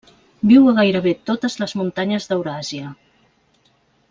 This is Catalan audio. Viu a gairebé totes les muntanyes d'Euràsia.